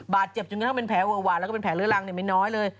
บาดเจ็บจนกระทำเป็นแผลว่าและเป็นแผลเลื้อรังไม่น้อยเลย